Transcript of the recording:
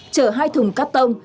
chở hai thùng cắt tông